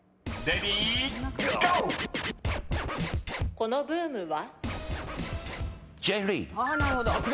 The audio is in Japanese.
このブームは？